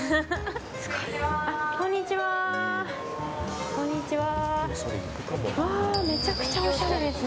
こんにちは。